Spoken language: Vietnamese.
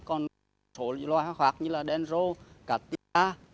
còn một số loài hoa khác như là đen rô cá tiên da